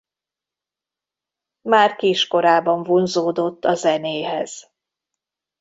Már kiskorában vonzódott a zenéhez.